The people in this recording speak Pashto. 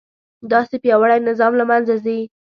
داسې پیاوړی نظام له منځه ځي.